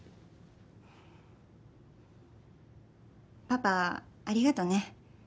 パパありがとね。